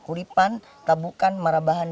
kuripan tabukan marabahan